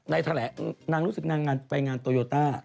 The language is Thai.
แถลงนางรู้สึกนางไปงานโตโยต้า